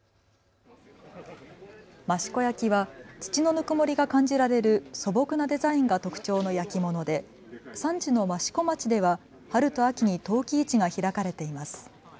益子焼は土のぬくもりが感じられる素朴なデザインが特徴の焼き物で産地の益子町では春と秋に陶器市が開かれています。